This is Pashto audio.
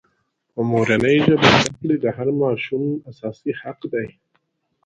په مورنۍ ژبه زدکړې د هر ماشوم اساسي حق دی.